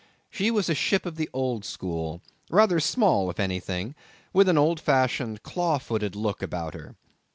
She was a ship of the old school, rather small if anything; with an old fashioned claw footed look about her.